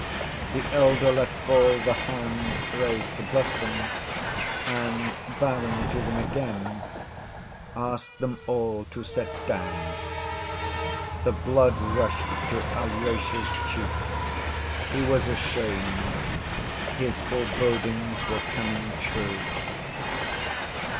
The elder let fall the hand raised to bless them, and bowing to them again, asked them all to sit down. The blood rushed to Alyosha's cheeks. He was ashamed. His forebodings were coming true.